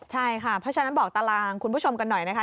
ใช่ค่ะเพราะฉะนั้นบอกตารางคุณผู้ชมกันหน่อยนะคะ